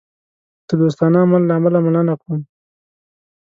د دوستانه عمل له امله مننه کوم.